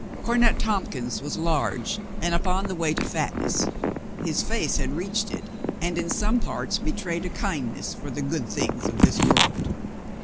Cornet Tompkins was large and upon the way to fatness. His face had reached it, and in some parts betrayed a kindness for the good things of this world.